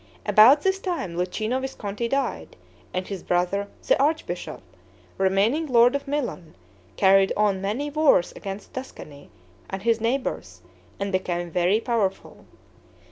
About this time Luchino Visconti died, and his brother the archbishop, remaining lord of Milan, carried on many wars against Tuscany and his neighbors, and became very powerful.